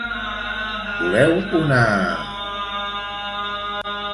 Voleu una...?